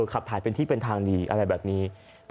ขับถ่ายเป็นที่เป็นทางดีอะไรแบบนี้